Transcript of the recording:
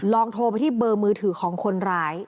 โทรไปที่เบอร์มือถือของคนร้าย